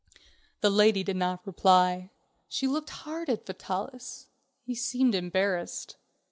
The lady did not reply. She looked hard at Vitalis. He seemed embarrassed.